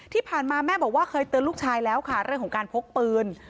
ที่ผ่านมาแม่บอกว่าเคยเตือนลูกชายแล้วค่ะเรื่องของการพกปืน